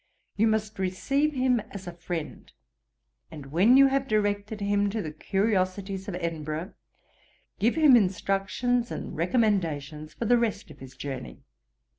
You must receive him as a friend, and when you have directed him to the curiosities of Edinburgh, give him instructions and recommendations for the rest of his journey.